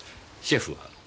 シェフは？